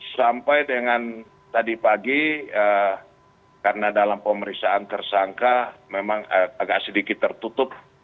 sampai dengan tadi pagi karena dalam pemeriksaan tersangka memang agak sedikit tertutup